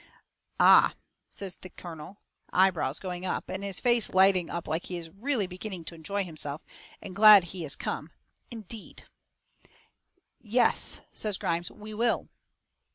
"Ah," says the colonel, his eyebrows going up, and his face lighting up like he is really beginning to enjoy himself and is glad he come, "indeed!" "Yes," says Grimes, "WE WILL!"